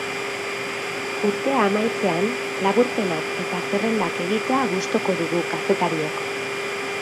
Urtea amaitzean, laburpenak eta zerrendak egitea gustoko dugu kazetariok.